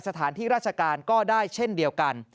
สถานที่ราชการก็ได้เช่นเดียวกัน